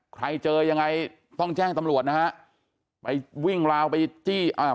ใครเจอยังไงต้องแจ้งตำรวจนะฮะไปวิ่งราวไปจี้อ่า